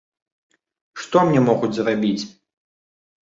Што мне могуць зрабіць?